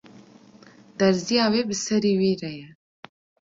Derziya wê bi serî wî re ye